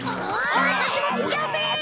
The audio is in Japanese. おれたちもつきあうぜ！